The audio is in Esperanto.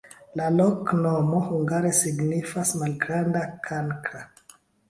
La loknomo hungare signifas: malgranda-kankra.